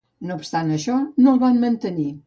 No obstant això, no el van mantenir.